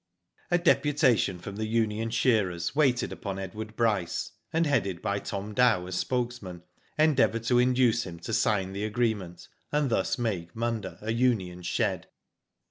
A DEPUTATION from the union shearers waited upon Edward Bryce, and headed by Tom Dow as spokesman, endeavoured to induce him to sign the agreement, and thus make Munda a union shed.